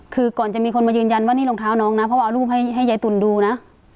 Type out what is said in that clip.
คือก่อนจะมีคนมายืนยันว่านี่รองเท้าน้องนะเพราะว่าเอารูปให้ยายตุ๋นดูนะ